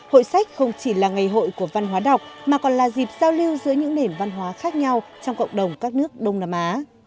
hội sách không chỉ là ngày hội của văn hóa đọc mà còn là dịp giao lưu giữa những nền văn hóa khác nhau trong cộng đồng các nước đông nam á